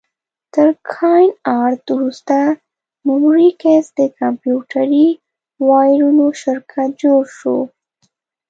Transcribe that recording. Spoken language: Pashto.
تر کاین ارټ وروسته مموریکس د کمپیوټري وایرونو شرکت جوړ شو.